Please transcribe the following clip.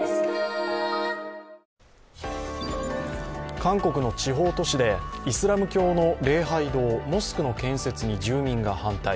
韓国の地方都市でイスラム教の礼拝堂、モスクの建設に住民が反対。